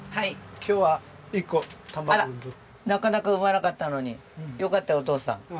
なかなか産まなかったのによかったよお父さん。